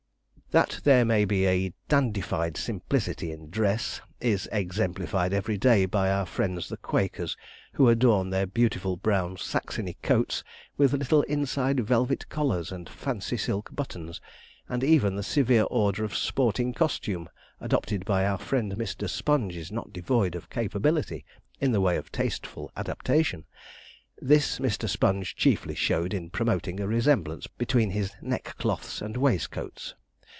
That there may be a dandified simplicity in dress, is exemplified every day by our friends the Quakers, who adorn their beautiful brown Saxony coats with little inside velvet collars and fancy silk buttons, and even the severe order of sporting costume adopted by our friend Mr. Sponge is not devoid of capability in the way of tasteful adaptation. This Mr. Sponge chiefly showed in promoting a resemblance between his neck cloths and waistcoats.